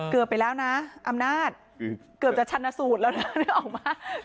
เกือบไปแล้วนะอำนาจเกือบจะชันสูตรแล้วนะ